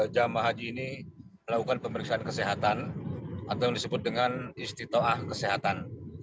jamaah haji ini melakukan pemeriksaan kesehatan atau disebut dengan istitoah kesehatan